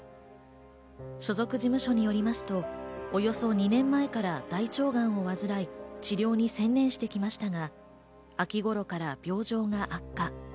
所属事務所によりますと、およそ２年前から大腸がんを患い、治療に専念してきましたが、秋頃から病状が悪化。